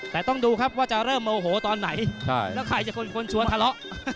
แต่ต้องดูครับว่าจะเริ่มโมโหตอนไหนแล้วใครจะเป็นคนชวนทะเลาะ